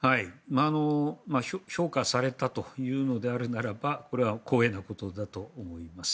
評価されたというのであるならばこれは光栄なことだと思います。